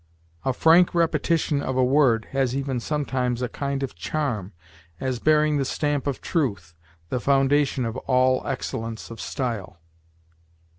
A frank repetition of a word has even sometimes a kind of charm as bearing the stamp of truth, the foundation of all excellence of style."